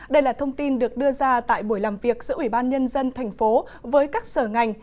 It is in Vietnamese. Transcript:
đây là thông tin được đưa ra tại buổi làm việc giữa ủy ban nhân dân thành phố với các sở ngành